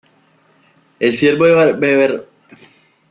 El ciervo de Berbería esta frecuentemente en el parque.